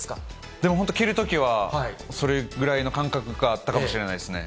でも本当に蹴るときは、それぐらいの感覚があったかもしれないですね。